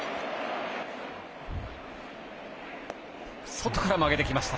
外から曲げてきました。